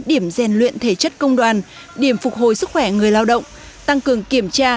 điểm rèn luyện thể chất công đoàn điểm phục hồi sức khỏe người lao động tăng cường kiểm tra